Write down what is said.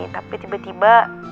tapi tiba tiba dia ada urusan mendadak